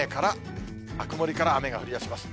曇りから雨が降りだします。